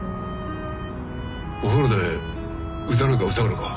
お風呂で歌なんか歌うのか？